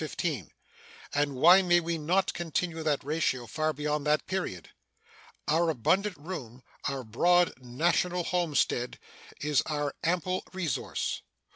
And why may we not continue that ratio far beyond that period? Our abundant room, our broad national homestead, is our ample resource.